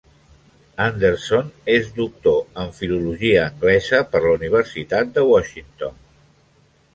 Anderson és doctor en Filologia Anglesa per la universitat de Washington.